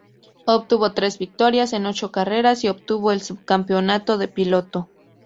Obtuvo tres victorias en ocho carreras, y obtuvo el subcampeonato de piloto.